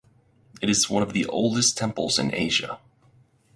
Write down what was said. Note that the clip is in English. It is one of the oldest temples in Asia.